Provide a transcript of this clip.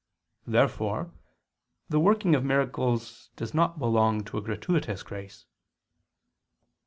Therefore the working of miracles does not belong to a gratuitous grace.